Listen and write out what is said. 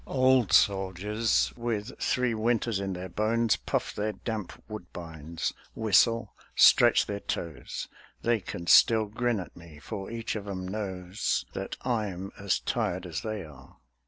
Old soldiers with three winters in their bones Puff their damp Woodbines, whistle, stretch their toes They can still grin at me, for each of 'em knows That I'm as tired as they are